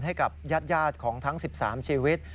ให้กับญาติของทั้ง๑๓ชีวิต